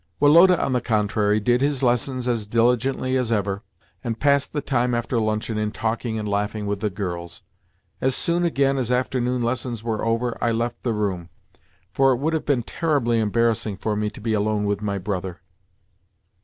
Woloda, on the contrary, did his lessons as diligently as ever, and passed the time after luncheon in talking and laughing with the girls. As soon, again, as afternoon lessons were over I left the room, for it would have been terribly embarrassing for me to be alone with my brother.